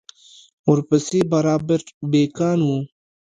ورپسې به رابرټ بېکان و.